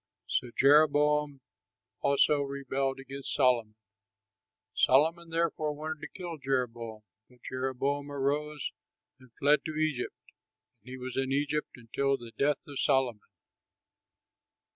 '" So Jeroboam also rebelled against Solomon. Solomon, therefore, wanted to kill Jeroboam. But Jeroboam arose and fled to Egypt, and he was in Egypt until the death of Solomon.